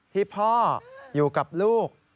ที่พ่ออยู่กับลูก